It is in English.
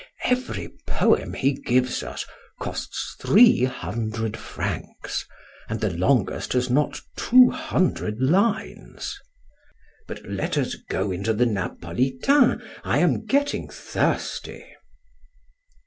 Every poem he gives us costs three hundred francs and the longest has not two hundred lines. But let us go into the Napolitain, I am getting thirsty."